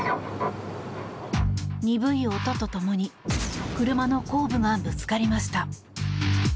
鈍い音とともに車の後部がぶつかりました。